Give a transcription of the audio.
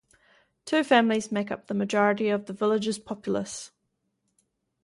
Two families make up the majority of the villages populace.